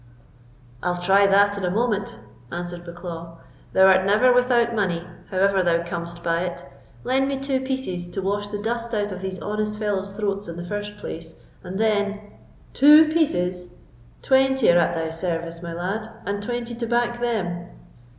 "I'll try that in a moment," answered Bucklaw. "Thou art never without money, however thou comest by it. Lend me two pieces to wash the dust out of these honest fellows' throats in the first place, and then——" "Two pieces! Twenty are at thy service, my lad, and twenty to back them."